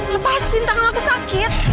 lepasin tanganku sakit